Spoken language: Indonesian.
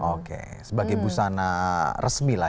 oke sebagai busana resmi lah